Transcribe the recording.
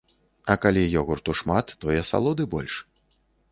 А калі ёгурту шмат, то і асалоды больш.